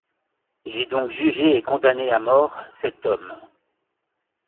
J'ai donc jugé et condamné à mort cet homme.